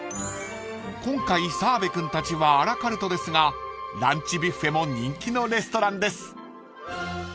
［今回澤部君たちはアラカルトですがランチビュッフェも人気のレストランです］